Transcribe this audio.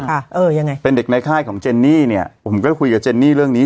เออยังไงเป็นเด็กในค่ายของเจนนี่เนี้ยผมก็คุยกับเจนนี่เรื่องนี้